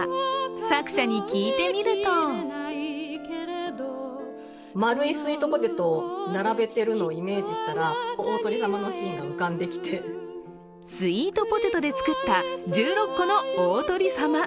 作者に聞いてみるとスイートポテトで作った１６個のオオトリ様。